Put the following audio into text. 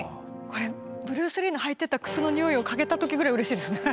これブルース・リーの履いてた靴のにおいを嗅げた時ぐらいうれしいですね。